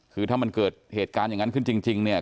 คือถ้ามันเกิดเหตุการณ์อย่างนั้นขึ้นจริงเนี่ย